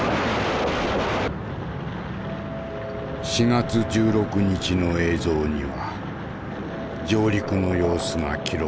４月１６日の映像には上陸の様子が記録されていた。